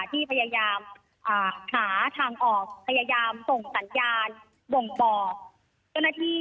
ที่พยายามหาทางออกพยายามส่งสัญญาณบ่งบอกเจ้าหน้าที่